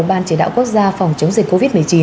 ban chỉ đạo quốc gia phòng chống dịch covid một mươi chín